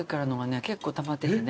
結構たまっててね。